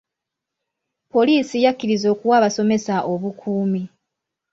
Poliisi yakkiriza okuwa abasomesa obukuumi.